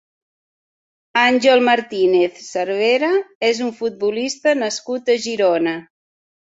Àngel Martínez Cervera és un futbolista nascut a Girona.